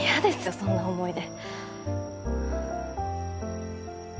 そんな思い出。